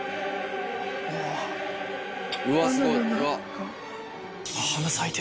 うわすごい。